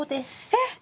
えっ！